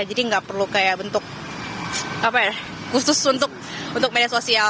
jadi nggak perlu kayak bentuk apa ya khusus untuk media sosial